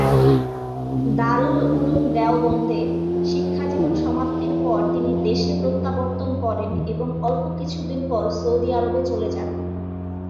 দারুল উলুম দেওবন্দে শিক্ষাজীবন সমাপ্তির পর তিনি দেশে প্রত্যাবর্তন করেন এবং অল্প কিছুদিন পর সৌদি আরবে চলে যান।